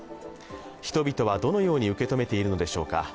人々はどのように受け止めているのでしょうか。